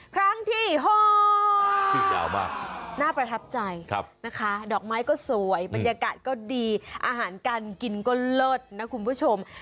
ครั้งที่๖นาภัทรัพย์ใจนะคะดอกไม้ก็สวยบรรยากาศก็ดีอาหารกันกินก็เลิศนะคุณผู้ชม